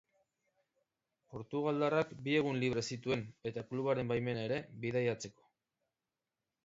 Portugaldarrak bi egun libre zituen eta klubaren baimena ere bidaitzeko.